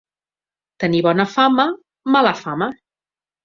Tenir bona fama, mala fama.